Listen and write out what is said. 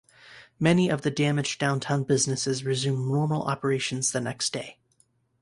Many of the damaged downtown businesses resumed normal operations the next day.